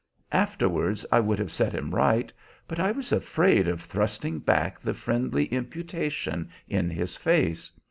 Afterwards I would have set him right, but I was afraid of thrusting back the friendly imputation in his face.